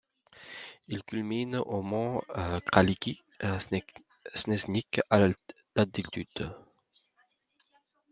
Ils culminent au mont Králický Sněžník à d'altitude.